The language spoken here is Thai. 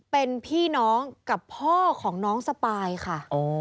เป็นพี่น้องกับพ่อของน้องสปายค่ะ